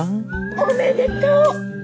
おめでとう。